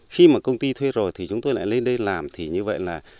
khi mà công ty thuê rồi thì chúng tôi lại lên đây làm thì như vậy là